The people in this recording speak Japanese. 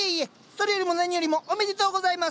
それよりも何よりもおめでとうございます！